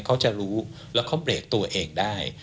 เขาจะรู้แล้วเขาเบรกตัวเองได้